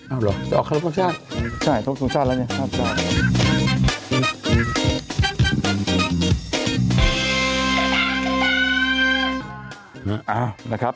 เอาเหรอจะออกคำสุดชาติอย่างไรนะครับโทษแล้วนี่รับ